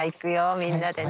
みんなでね。